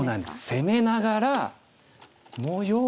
攻めながら。